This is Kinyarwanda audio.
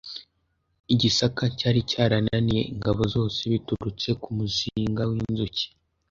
igisaka cyari cyarananiye ingabo zose biturutse k’umuzinga w’inzuki